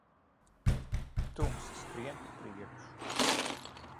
Tumsa skrien pa priekšu.